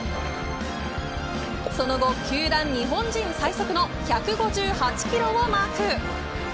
その後、球団日本人最速の１５８キロをマーク。